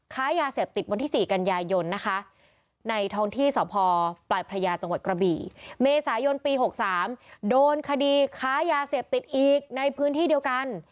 ค้ายาเสพติดวันที่๔กันยาย